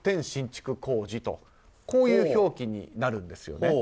新築工事とこういう表記になるんです。